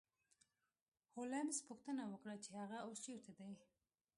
هولمز پوښتنه وکړه چې هغه اوس چیرته دی